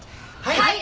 はい。